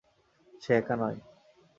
সে একা নয়।